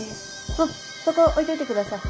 あっそこ置いといて下さい。